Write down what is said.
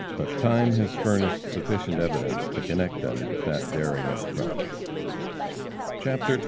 But time has furnished sufficient evidence to connect them with that daring enterprise. CHAPTER XXI.